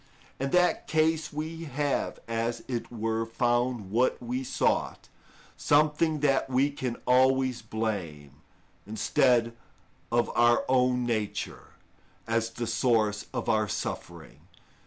In that case we have, as it were, found what we sought, something that we can always blame, instead of our own nature, as the source of our suffering.